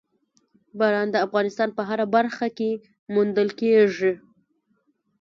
باران د افغانستان په هره برخه کې موندل کېږي.